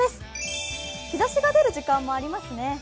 日差しが出る時間もありますね。